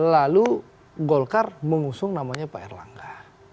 lalu golkar mengusung namanya pak erlangga